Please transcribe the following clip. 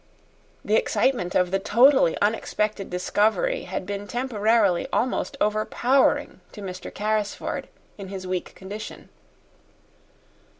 The excitement of the totally unexpected discovery had been temporarily almost overpowering to Mr. Carrisford in his weak condition.